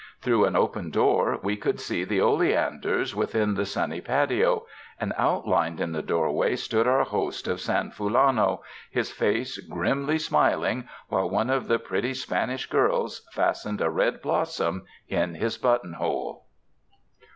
Through an open door we could see the olean ders within the sunny patio, and outlined in the doorway stood our host of San Fulano, his face grimly smiling while one of the pretty Spanish girls fastened a red blossom in his buttonhole.